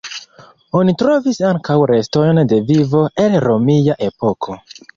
Oni trovis ankaŭ restojn de vivo el romia epoko.